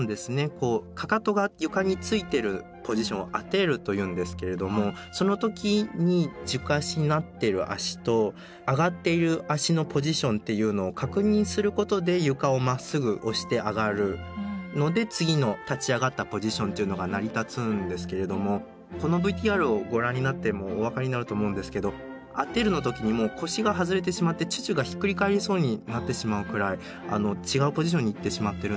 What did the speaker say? こうかかとが床についてるポジションを「ア・テール」というんですけれどもその時に軸足になってる足と上がっている足のポジションっていうのを確認することで床をまっすぐ押して上がるので次の立ち上がったポジションっていうのが成り立つんですけれどもこのＶＴＲをご覧になってもお分かりになると思うんですけどア・テールの時にもう腰が外れてしまってチュチュがひっくり返りそうになってしまうくらい違うポジションに行ってしまってるんですね。